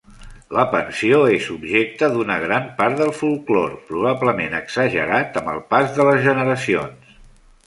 La pensió és objecte d'una gran part del folklore, probablement exagerat amb el pas de les generacions.